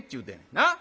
なっ？